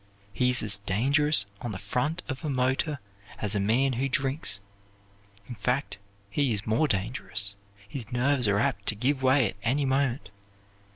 He is as dangerous on the front of a motor as a man who drinks. In fact, he is more dangerous; his nerves are apt to give way at any moment.